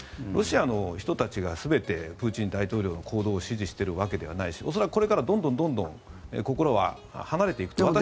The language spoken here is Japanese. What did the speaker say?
ロシアの人たちが全てプーチン大統領の行動を支持しているわけではないし恐らくこれからどんどん心は離れていくと。